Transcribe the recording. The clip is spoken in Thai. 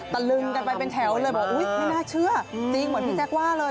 ตะลึงกันไปเป็นแถวเลยบอกอุ๊ยไม่น่าเชื่อจริงเหมือนพี่แจ๊คว่าเลย